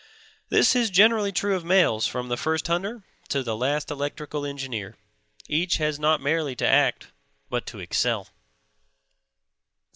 This is generally true of males from the first hunter to the last electrical engineer; each has not merely to act, but to excel.